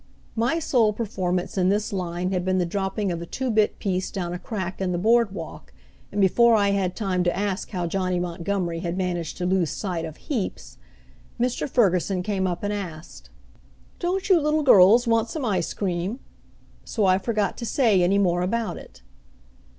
My sole performance in this line had been the dropping of a two bit piece down a crack in the board walk, and before I had time to ask how Johnny Montgomery had managed to lose sight of "heaps," Mr. Ferguson came up and asked, "Don't you little girls want some ice cream?" so I forgot to say any more about it.